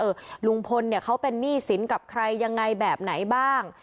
ลุงพลเนี่ยเขาเป็นหนี้สินกับใครยังไงแบบไหนบ้าง